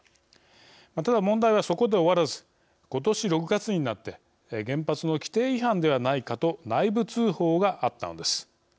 ただ、問題は、そこで終わらずことし６月になって原発の規定違反ではないかと内部通報があったのです。